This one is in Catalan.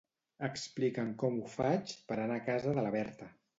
Explica'm com ho faig per anar a casa de la Berta.